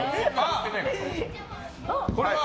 これは？